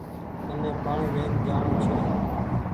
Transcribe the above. مني پآڻيٚ لين جآڻو ڇي۔